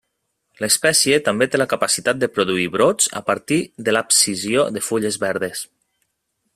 L'espècie també té la capacitat de produir brots a partir de l'abscisió de fulles verdes.